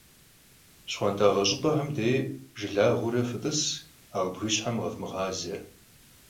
Щхуантӏагъэ щӀыпӀэхэм деж жылагъуэурэ фытӀыс, ауэ бгыщхьэм къэвмыгъазэ.